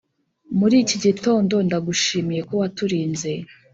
Murikigitondo ndagushimiye ko waturinze